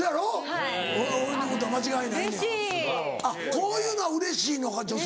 こういうのはうれしいのか女性。